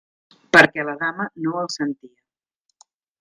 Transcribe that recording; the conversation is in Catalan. Perquè la dama no el sentia.